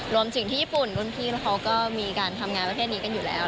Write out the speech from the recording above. รวมถึงที่ญี่ปุ่นรุ่นพี่เขาก็มีการทำงานประเภทนี้กันอยู่แล้ว